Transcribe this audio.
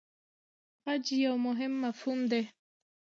خج یو مهم مفهوم دی.